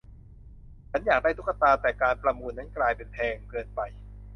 ฉันอยากได้ตุ๊กตา แต่การประมูลนั้นกลายเป็นแพงเกินไป